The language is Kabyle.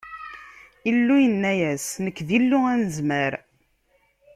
Illu yenna-yas: Nekk, d Illu Anezmar!